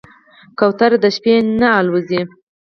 کوتره د شپې نه الوزي.